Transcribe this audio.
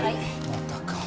またか。